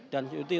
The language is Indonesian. dan itu dileh